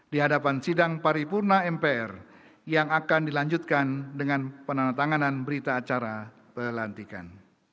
di hadapan sidang paripurna mpr yang akan dilanjutkan dengan penandatanganan berita acara pelantikan